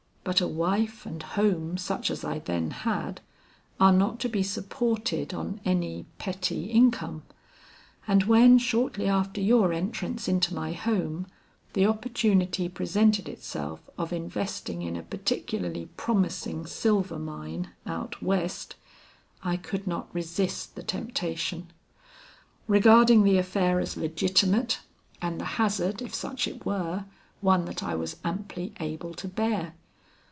But a wife and home such as I then had, are not to be supported on any petty income; and when shortly after your entrance into my home, the opportunity presented itself of investing in a particularly promising silver mine out West, I could not resist the temptation; regarding the affair as legitimate, and the hazard, if such it were, one that I was amply able to bear.